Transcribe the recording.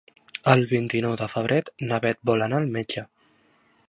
El vint-i-nou de febrer na Bet vol anar al metge.